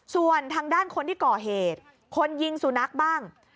ส่วนทางด้านคนที่ก่อเหตุคนยิงสุนัขบ้าง